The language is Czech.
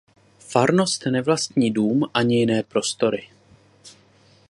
Farnost nevlastní dům ani jiné prostory.